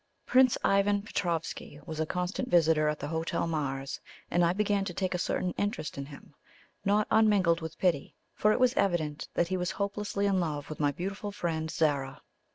Prince Ivan Petroffsky was a constant visitor at the Hotel Mars, and I began to take a certain interest in him, not unmingled with pity, for it was evident that he was hopelessly in love with my beautiful friend Zara.